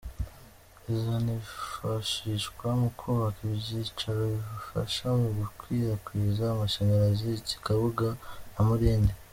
Izanifashishwa mu kubaka ibyicaro bifasha mu gukwirakwiza amashanyarazi i Kabuga na Murindi.